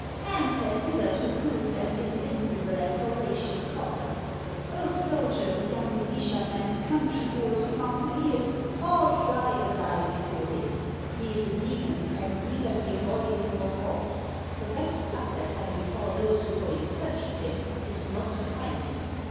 " Hans has hitherto proved as invincible as Horatius Codes. Old soldiers, young militiamen, country boors, mountaineers, all fly or die before him. He is a demon who can neither be avoided nor caught ; the best luck that can befall those who go in search of him is not to find him.